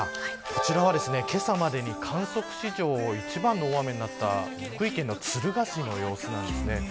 こちらは、けさまでに観測史上一番の大雨になった福井県の敦賀市の様子です。